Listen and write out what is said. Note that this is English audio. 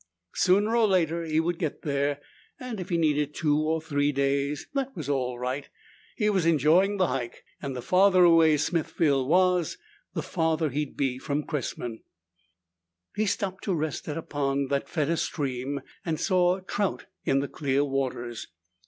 Sooner or later he would get there, and if he needed two or three days, that was all right. He was enjoying the hike, and the farther away Smithville was, the farther he'd be from Cressman. He stopped to rest at a pond that fed a stream and saw trout in the clear waters.